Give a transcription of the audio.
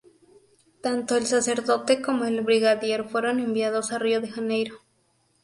Tanto el sacerdote como el brigadier fueron enviados a Río de Janeiro.